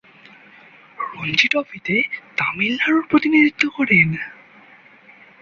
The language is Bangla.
রঞ্জী ট্রফিতে তামিলনাড়ুর প্রতিনিধিত্ব করেন।